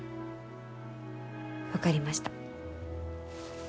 分かりました。